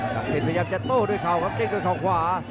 กักศิลประยับจะโต้ด้วยเขาครับเด้งตัวเข้าขวา